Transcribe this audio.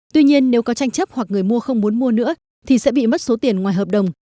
tuy nhiên nếu có tranh chấp hoặc người mua không muốn mua nữa thì sẽ bị mất số tiền ngoài hợp đồng